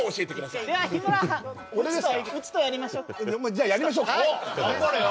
じゃあやりましょう頑張れよ